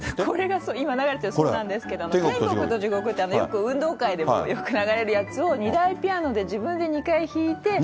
これが今、流れてるのがそうなんですけど、天国と地獄って、運動会でもよく流れるやつを２台ピアノで自分で２回弾いて。